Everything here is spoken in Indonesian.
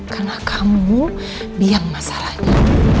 karena kamu biar masalahnya